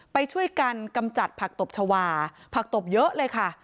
ไปช่วยกันกำจัดผักตบชาวาผักตบเยอะเลยค่ะ